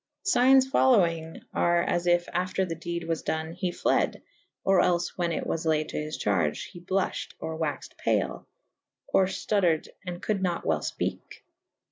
Signes folowynge are as yf after the dede was done he fled / or els whan it was layed to his charge: he bluff hed or waxed pale / or ftutted and coulde nat well fpeke.